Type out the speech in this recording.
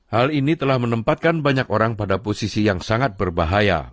hal ini telah menempatkan banyak orang pada posisi yang sangat berbahaya